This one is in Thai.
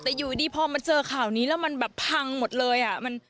แต่อยู่ดีพอมันเจอข่าวนี้แล้วมันแบบพังหมดเลยอ่ะ